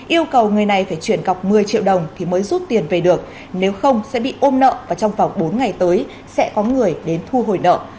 yêu cầu người này phải chuyển cọc một mươi triệu đồng thì mới rút tiền về được nếu không sẽ bị ôm nợ và trong vòng bốn ngày tới sẽ có người đến thu hồi nợ